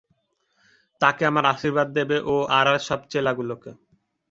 তাকে আমার আশীর্বাদ দেবে ও আর আর সব চেলাগুলোকে।